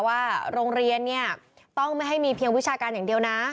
ว่าโรงเรียนเนี่ยต้องไม่ให้มีเพียงวิชาการอย่างเดียวนะ